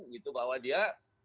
gitu bahwa dia